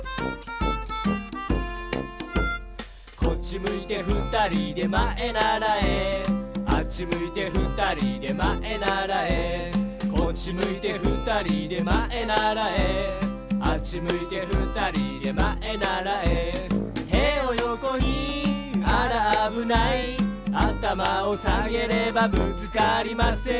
「こっちむいてふたりでまえならえ」「あっちむいてふたりでまえならえ」「こっちむいてふたりでまえならえ」「あっちむいてふたりでまえならえ」「てをよこにあらあぶない」「あたまをさげればぶつかりません」